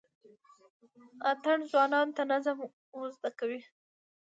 اتڼ ځوانانو ته نظم ور زده کوي.